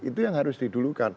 itu yang harus didulukan